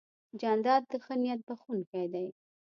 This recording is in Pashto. جانداد د ښه نیت بښونکی دی.